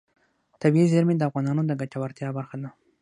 طبیعي زیرمې د افغانانو د ګټورتیا برخه ده.